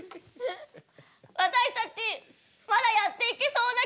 私たちまだやっていけそうな気がする。